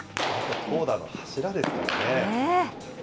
投打の柱ですからね。